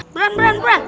beran beran beran